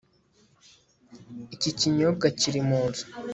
Iki kinyobwa kiri munzu